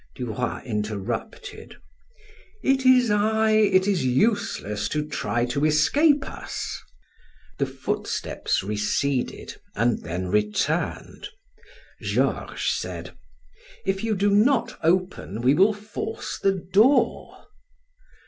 Du Roy interrupted: "It is I; it is useless to try to escape us." The footsteps receded and then returned. Georges said: "If you do not open, we will force the door."